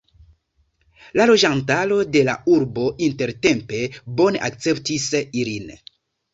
La loĝantaro de la urbo intertempe bone akceptis ilin.